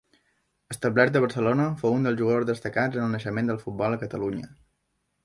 Establert a Barcelona, fou un dels jugadors destacats en el naixement del futbol a Catalunya.